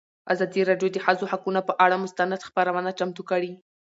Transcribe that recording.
ازادي راډیو د د ښځو حقونه پر اړه مستند خپرونه چمتو کړې.